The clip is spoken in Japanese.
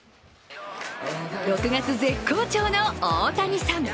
６月絶好調の大谷さん。